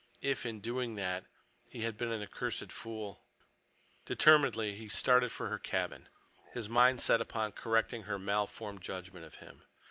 If, in doing that, he had been an accursed fool— Determinedly he started for her cabin, his mind set upon correcting her malformed judgment of him.